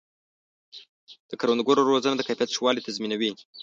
د کروندګرو روزنه د کیفیت ښه والی تضمینوي.